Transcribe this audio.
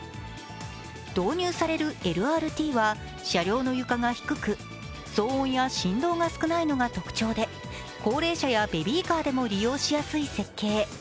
導入されるＬＲＴは車両の床か低く、騒音や振動が少ないのが特徴で高齢者やベビーカーでも利用しやすい設計。